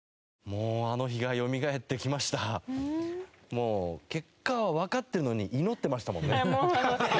もう結果はわかってるのに祈ってましたもんね。